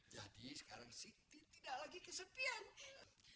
jadi sekarang siti tidak lagi kesepian